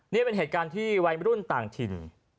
นี่เป็นเหตุการณ์ที่วัยรุ่นต่างถิ่น